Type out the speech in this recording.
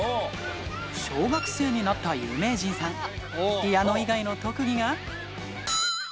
小学生になった有名人さん、ピアノ以外の特技が。